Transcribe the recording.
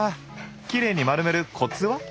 きれいに丸めるコツは？